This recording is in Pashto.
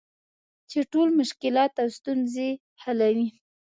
چې ټول مشکلات او ستونزې حلوي .